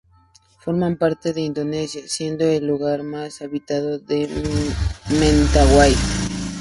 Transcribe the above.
Forma parte de Indonesia, siendo el lugar más habitado de las Mentawai.